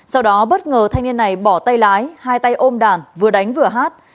sau đó bất ngờ thanh niên này bỏ tay lái hai tay ôm đàn vừa đánh vừa hát